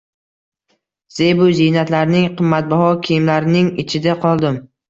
Zebu ziynatlarning, qimmatbaho kiyimlarning ichida qoldim